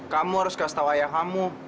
kamu harus kasih tahu ayah kamu